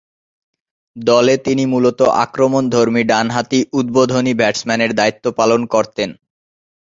দলে তিনি মূলতঃ আক্রমণধর্মী ডানহাতি উদ্বোধনী ব্যাটসম্যানের দায়িত্ব পালন করতেন।